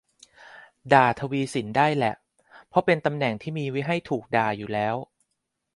ด่าทวีศิลป์ได้แหละ เพราะเป็นตำแหน่งที่มีไว้ให้ถูกด่าอยู่แล้ว